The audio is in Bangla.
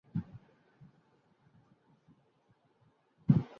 পুরুষ প্রজাপতির নিচের পিঠে ডানার মাঝামাঝি কালো সাদায় মেশানো একটা ছোপ থাকে।